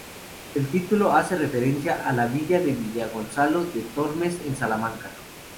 El título hace referencia a la villa de Villagonzalo de Tormes en Salamanca.